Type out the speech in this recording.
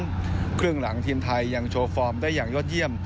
ประตูต่อศูนย์เครื่องหลังทีมไทยยังโชว์ฟอร์มได้อย่างยอดเยี่ยม